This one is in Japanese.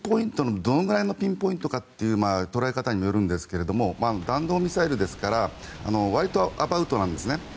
どれくらいのピンポイントという捉え方にもよるんですが弾道ミサイルですからわりとアバウトなんですね。